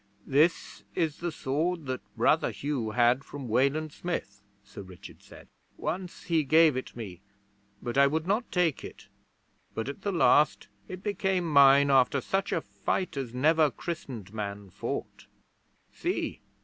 'This is the sword that Brother Hugh had from Wayland Smith,' Sir Richard said. 'Once he gave it me, but I would not take it; but at the last it became mine after such a fight as never christened man fought. See!'